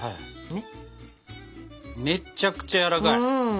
めっちゃくちゃやわらかい。